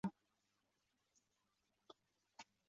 希望将军能好好考量！